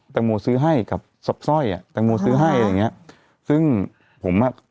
โมซื้อให้กับศพสร้อยอ่ะแตงโมซื้อให้อะไรอย่างเงี้ยซึ่งผมอ่ะ